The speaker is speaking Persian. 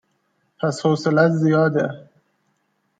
پس حوصلهات زیاده